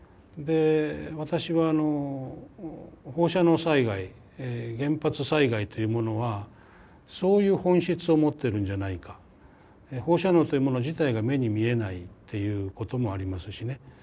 で私は放射能災害原発災害というものはそういう本質を持ってるんじゃないか放射能というもの自体が目に見えないっていうこともありますしね。